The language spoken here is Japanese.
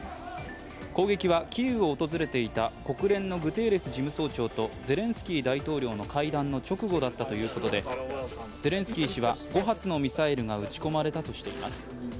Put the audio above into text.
攻撃はキーウを訪れていた国連のグテーレス事務総長とゼレンスキー大統領の会談の直後だったということで、ゼレンスキー氏は５発のミサイルが撃ち込まれたとしています。